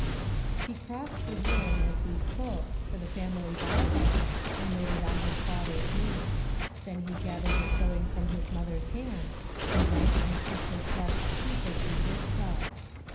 He crossed the room, as he spoke, for the family Bible, and laid it on liis father's knee; then he gathered the sewing f] om his mother's hand, and bent and kissed her flushed cheek as he did so.